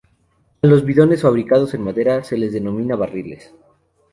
A los bidones fabricados en madera se les denomina barriles.